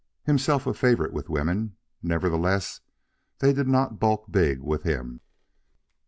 Himself a favorite with women, nevertheless they did not bulk big with him.